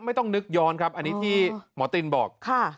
ไม่ต้องนึกย้อนครับอันนี้ที่หมอตินบอก